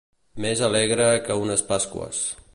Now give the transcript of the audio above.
Més alegre que unes pasqües.